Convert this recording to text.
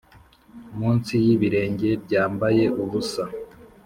munsi y'ibirenge byambaye ubusa,